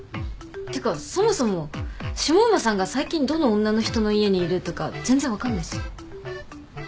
てかそもそも下馬さんが最近どの女の人の家にいるとか全然分かんないし。